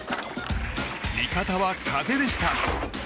味方は風でした。